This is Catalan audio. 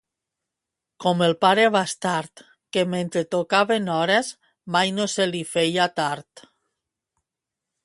Com el pare Bastard, que mentre tocaven hores mai no se li feia tard.